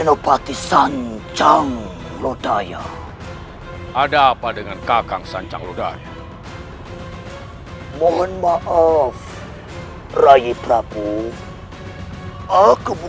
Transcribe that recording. yunda yunda seteruah alazim